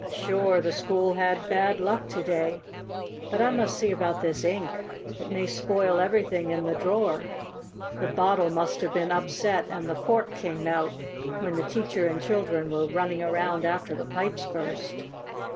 Sure the school had bad luck to day! But I must see about this ink. It may spoil everything in the drawer. The bottle must have been upset and the cork came out when the teacher and children were running around after the pipes burst."